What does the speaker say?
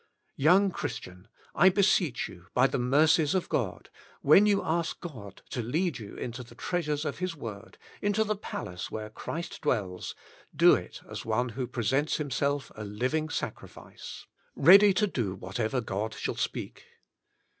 Young Christian! I beseech you by the mercies of God, when you ask God to lead you into the treasures of His word, into the palace where Christ dwells, do it as one who presents himself a living sacrifice, Eeady to Do Whatever God Shall Speak.